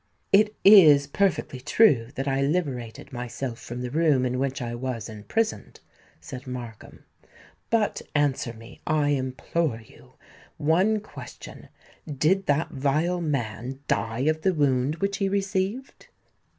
"It is perfectly true that I liberated myself from the room in which I was imprisoned," said Markham. "But, answer me—I implore you—one question; did that vile man die of the wound which he received?"